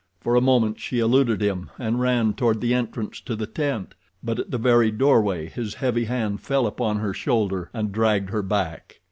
For a moment she eluded him, and ran toward the entrance to the tent, but at the very doorway his heavy hand fell upon her shoulder and dragged her back.